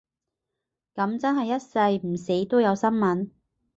噉真係一世唔死都有新聞